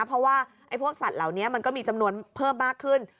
เพราะว่าพวกสัตว์เหล่านี้มันก็มีจำนวนเพิ่มมากขึ้น